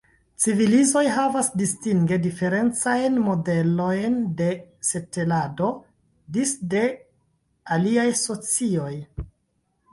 Civilizoj havas distinge diferencajn modelojn de setlado disde aliaj socioj.